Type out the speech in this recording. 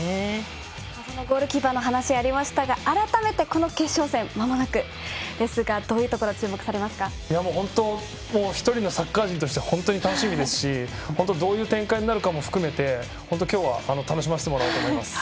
ゴールキーパーの話がありましたが改めて、この決勝戦まもなくですが１人のサッカー人として本当に楽しみですしどういう展開になるかも含めて楽しませてもらおうと思います。